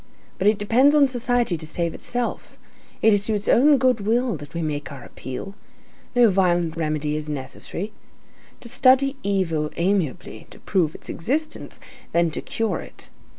But it depends on society to save itself, it is to its own good will that we make our appeal. No violent remedy is necessary. To study evil amiably, to prove its existence, then to cure it.